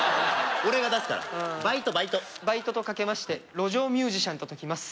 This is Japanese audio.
俺が出すからバイトバイトバイトと掛けまして路上ミュージシャンと解きます